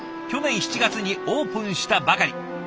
去年７月にオープンしたばかり。